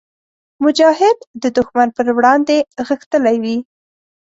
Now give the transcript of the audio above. مجاهد د ښمن پر وړاندې غښتلی وي.